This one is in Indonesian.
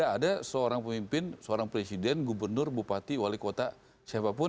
ada seorang pemimpin seorang presiden gubernur bupati wali kota siapapun